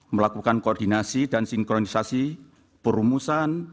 melakukan koordinasi dan sinkronisasi perumusan